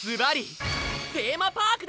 テーマパークだ！